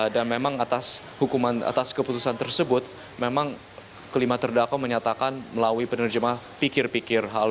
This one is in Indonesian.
dan memang atas hukuman atas keputusan tersebut memang kelima terdakwa menyatakan melalui penerjemah pikir pikir